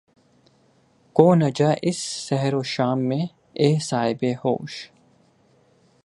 کھو نہ جا اس سحر و شام میں اے صاحب ہوش